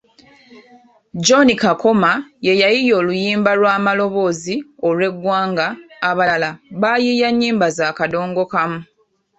John Kakoma yeyayiiya oluyimba lwa maloboozi olw’Eggwanga abalala bayiiya nnyimba za kadongo kamu.